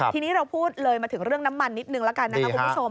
ทีนี้เราพูดเลยมาถึงเรื่องน้ำมันนิดนึงแล้วกันนะครับคุณผู้ชม